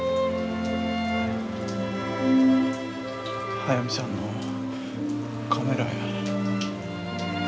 速水さんのカメラや。